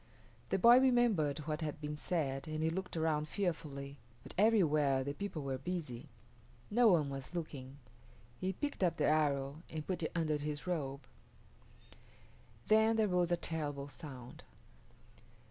The boy remembered what had been said and he looked around fearfully, but everywhere the people were busy. No one was looking. He picked up the arrow and put it under his robe. Then there rose a terrible sound.